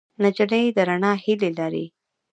نجلۍ د رڼا هیلې لري.